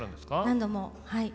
何度もはい。